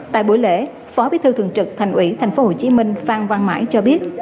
tại buổi lễ phó bí thư thường trực thành ủy tp hcm phan văn mãi cho biết